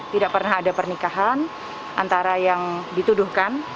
tidak pernah ada pernikahan antara yang dituduhkan